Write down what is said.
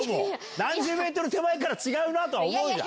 何十メートル手前から違うなとは思うじゃん。